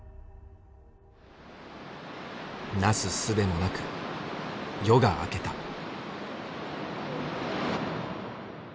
なすすべもなく夜が明けた。